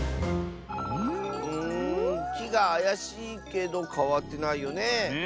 んきがあやしいけどかわってないよねえ。